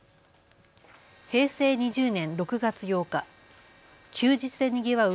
平成２０年６月８日、休日でにぎわう